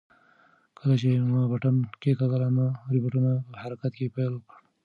کله چې ما بټن کېکاږله نو روبوټ په حرکت پیل وکړ.